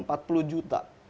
ada empat puluh juta